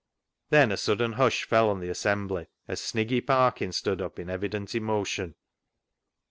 Then a sudden hush fell on the assembly as Sniggy Parkin stood up, in evident emotion.